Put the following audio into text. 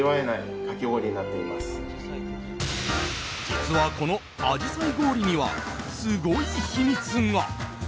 実は、この紫陽花氷にはすごい秘密が。